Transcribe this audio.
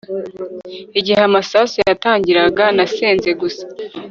Igihe amasasu yatangiraga nasenze gusa